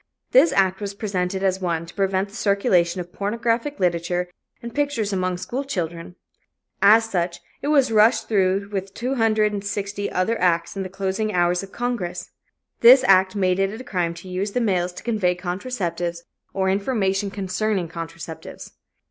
This act was presented as one to prevent the circulation of pornographic literature and pictures among school children. As such, it was rushed through with two hundred sixty other acts in the closing hours of the Congress. This act made it a crime to use the mails to convey contraceptives or information concerning contraceptives.